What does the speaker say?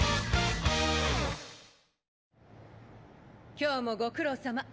今日もご苦労さま。